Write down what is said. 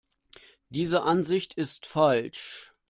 Diese Ansicht ist falsch.